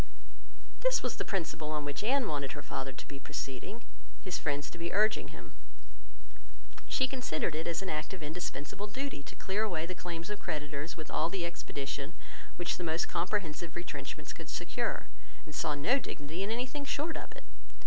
This was the principle on which Anne wanted her father to be proceeding, his friends to be urging him. She considered it as an act of indispensable duty to clear away the claims of creditors with all the expedition which the most comprehensive retrenchments could secure, and saw no dignity in anything short of it.